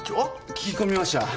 聞き込みました。